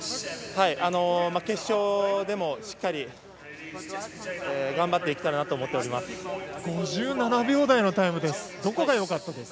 決勝でもしっかり頑張っていけたらなと５７秒台のタイムです。